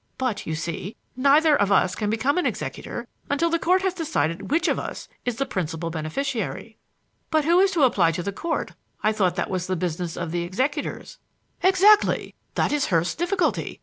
But, you see, neither of us can become an executor until the Court has decided which of us is the principal beneficiary." "But who is to apply to the Court? I thought that was the business of the executors." "Exactly, that is Hurst's difficulty.